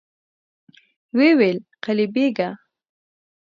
ويې ويل: قلي بېګه!